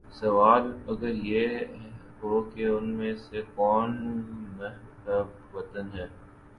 سوال اگر یہ ہو کہ ان میں سے کون محب وطن ہے